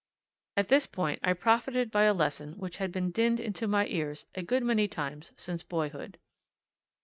At this point I profited by a lesson which had been dinned into my ears a good many times since boyhood.